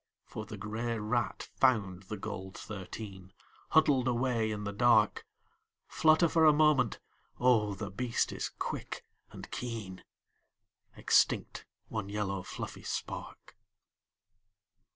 For the grey rat found the gold thirteen Huddled away in the dark, Flutter for a moment, oh the beast is quick and keen, Extinct one yellow fluffy spark.